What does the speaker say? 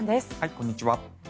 こんにちは。